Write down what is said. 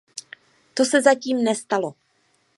To se zatím nestalo.